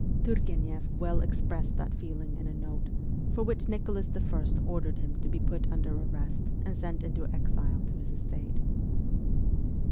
Turgueneff well expressed that feeling in a note, for which Nicholas I. ordered him to be put under arrest and sent into exile to his estate.